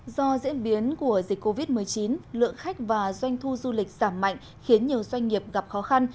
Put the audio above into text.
do diễn biến của dịch covid một mươi chín lượng khách và doanh thu du lịch giảm mạnh khiến nhiều doanh nghiệp gặp khó khăn